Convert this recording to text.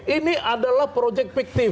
ini adalah proyek fiktif